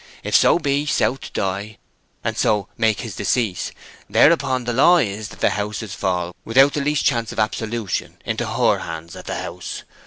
If so be South die, and so make his decease, thereupon the law is that the houses fall without the least chance of absolution into HER hands at the House.